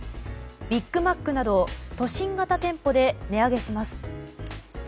ビッグマックなど都心型店舗で値上げします。